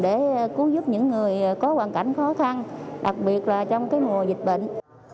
để cứu giúp những người có hoàn cảnh khó khăn đặc biệt là trong mùa dịch bệnh